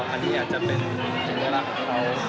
อันนี้อาจจะเป็นสิ่งใดลักษณ์ของเขานะครับ